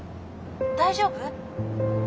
大丈夫？